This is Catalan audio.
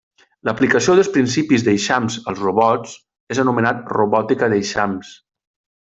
L'aplicació dels principis d'eixams als robots és anomenat robòtica d'eixams.